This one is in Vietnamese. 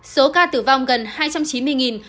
số ca tử vong gần hai trăm chín mươi